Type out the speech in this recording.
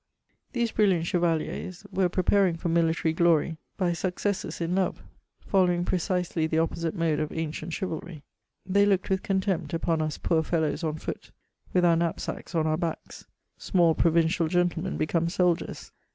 These brilliant chevaliers were preparing for mifitary glory by successes in love: following precisely the op posit e mode oi ancient chivalry. They looked with contempt upon us poor fellows on foot, with our knapsacks on our backs— small provindal gentlemen become soldiers.